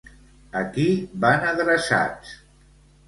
A qui van adreçats?